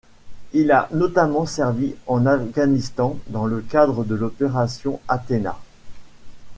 Il a notamment servi en Afghanistan dans le cadre de l’Opération Athena.